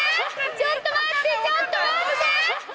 ちょっと待ってちょっと待って！